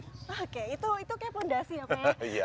oke itu kayak fondasi apa ya